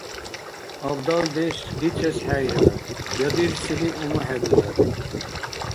Абдалдеш дицес хӀейрар я дирцили умухӀедирар.